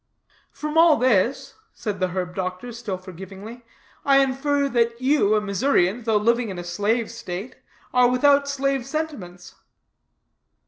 "From all this," said the herb doctor, still forgivingly, "I infer, that you, a Missourian, though living in a slave state, are without slave sentiments."